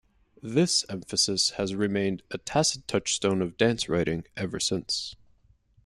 This emphasis has remained a tacit touchstone of dance writing ever since.